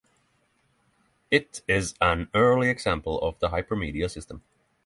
It is an early example of a hypermedia system.